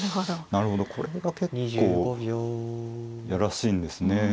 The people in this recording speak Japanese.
なるほどこれは結構嫌らしいんですね。